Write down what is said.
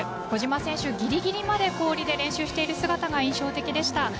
小島選手、ギリギリまで氷で練習している姿が印象的でした。